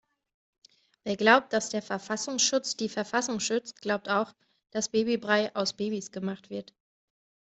Wer glaubt, dass der Verfassungsschutz die Verfassung schützt, glaubt auch dass Babybrei aus Babys gemacht wird.